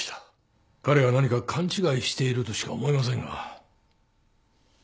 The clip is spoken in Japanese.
彼が何か勘違いしているとしか思えませんが。